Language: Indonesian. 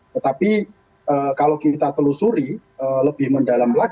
tetapi kalau kita telusuri lebih mendalam